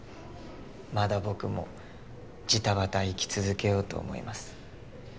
まだ僕もジタバタ生き続けようと思います。